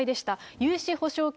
融資保証金